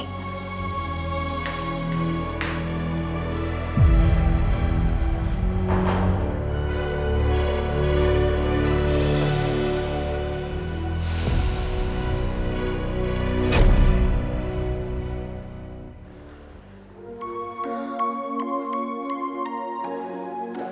aku mau mandi